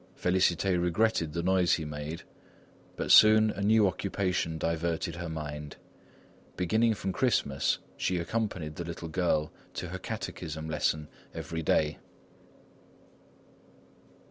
Félicité regretted the noise he made, but soon a new occupation diverted her mind; beginning from Christmas, she accompanied the little girl to her catechism lesson every day.